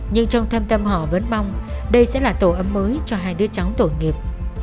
nhưng trong thâm tâm họ vẫn mong đây sẽ là tổ ấm mới cho hai đứa cháu tội nghiệp